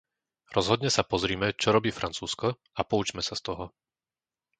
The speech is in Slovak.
Rozhodne sa pozrime, čo robí Francúzsko a poučme sa z toho.